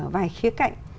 vài khía cạnh